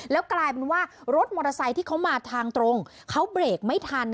แล้วกลายเป็นว่ารถมอเตอร์ไซค์ที่เขามาทางตรงเขาเบรกไม่ทัน